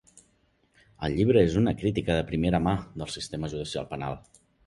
El llibre és una crítica de primera mà del sistema judicial penal.